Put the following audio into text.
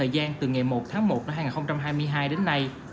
gian từ ngày một tháng một đến hai nghìn hai mươi hai đến nay